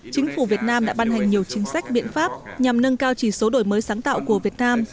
chính phủ việt nam đã ban hành nhiều chính sách biện pháp nhằm nâng cao chỉ số đổi mới sáng tạo của việt nam